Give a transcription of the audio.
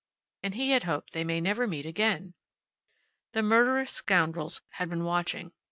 And he had hoped they might never meet again! The murderous scoundrels had been watching.